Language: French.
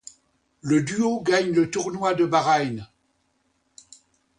Le duo gagne le tournoi de Bahreïn.